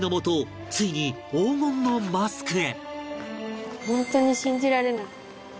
ついに黄金のマスクへ